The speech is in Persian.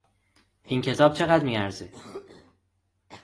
این کتاب چه قدر میارزه؟